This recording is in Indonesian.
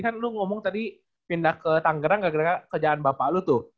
kan lu ngomong tadi pindah ke tanggerang gak kira kira ke jalan bapak lu tuh